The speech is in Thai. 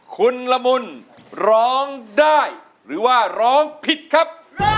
คุณละมุนร้องได้หรือว่าร้องผิดครับ